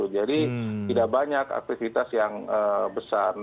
jadi tidak banyak aktivitas yang besar